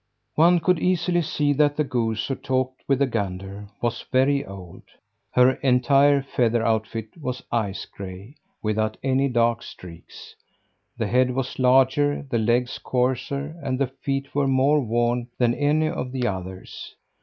One could easily see that the goose who talked with the gander was very old. Her entire feather outfit was ice gray, without any dark streaks. The head was larger, the legs coarser, and the feet were more worn than any of the others.